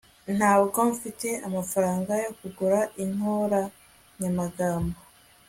ntabwo mfite amafaranga yo kugura inkoranyamagambo